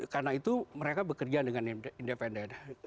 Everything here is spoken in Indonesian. karena itu mereka bekerja dengan independen